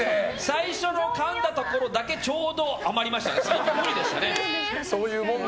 最初のかんだところだけちょうど余りましたね。